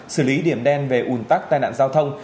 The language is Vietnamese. xử lý điểm đen về ủn tắc tai nạn giao thông